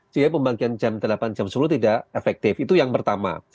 sehingga pembagian jam delapan jam sepuluh tidak efektif itu yang pertama